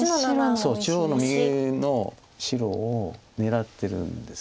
そう中央の右の白を狙ってるんです。